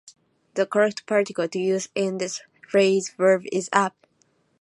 The correct particle to use in this phrasal verb is "up".